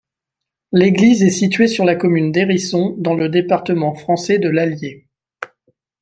L'église est située sur la commune d'Hérisson, dans le département français de l'Allier.